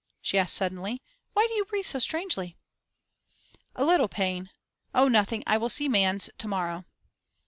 she asked suddenly. 'Why do you breathe so strangely?' 'A little pain. Oh, nothing; I will see Manns to morrow.